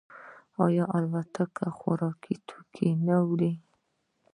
آیا الوتکې خوراکي توکي نه وړي؟